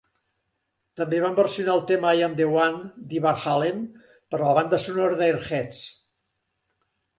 També van versionar el tema "I'm the One" the Van Halen per a la banda sonora de "Airheads".